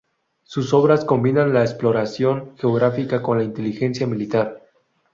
Sus obras combinan la exploración geográfica con la inteligencia militar.